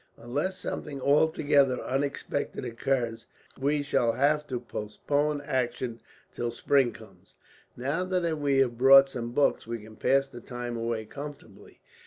Unless something altogether unexpected occurs, we shall have to postpone action till spring comes. "Now that we have bought some books we can pass the time away comfortably.